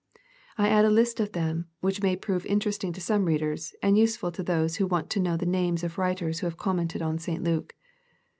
I add a list of them^ which may prove interesting to some readers, and useful to those who want to know the names of writers who have commented on St. Luke.